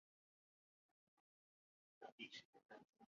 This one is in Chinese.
是一款由特库摩公司制作的解谜类游戏。